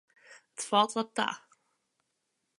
It falt wat ta.